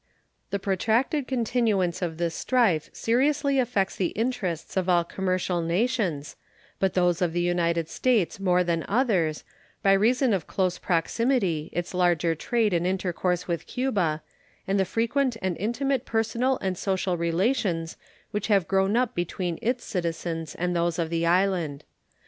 The protracted continuance of this strife seriously affects the interests of all commercial nations, but those of the United States more than others, by reason of close proximity, its larger trade and intercourse with Cuba, and the frequent and intimate personal and social relations which have grown up between its citizens and those of the island.